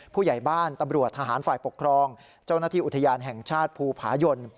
ผู้ใหญ่บ้านตำรวจทหารฝ่ายปกครองเจ้าหน้าที่อุทยานแห่งชาติภูผายน